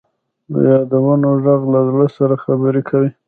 د یادونو ږغ له زړه سره خبرې کوي.